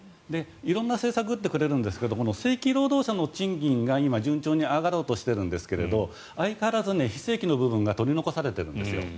色んな政策を打ってくれるんですが正規労働者の賃金が今、順調に上がろうとしているんですが相変わらず非正規の部分が取り残されているんです。